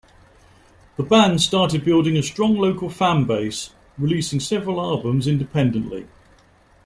The band started building a strong local fanbase, releasing several albums independently.